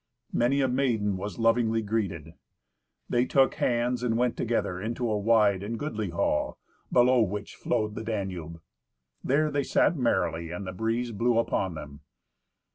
Many a maiden was lovingly greeted. They took hands and went together into a wide and goodly hall, below which flowed the Danube. There they sat merrily, and the breeze blew upon them.